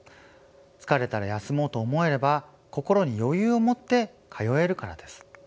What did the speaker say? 疲れたら休もうと思えれば心に余裕を持って通えるからです。